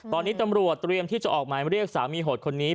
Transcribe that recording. ตอนนี้ตำรวจเตรียมที่จะออกหมายเรียกสามีโหดคนนี้